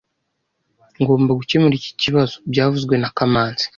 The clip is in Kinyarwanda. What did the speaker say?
Ngomba gukemura iki kibazo byavuzwe na kamanzi